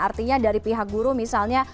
artinya dari pihak guru misalnya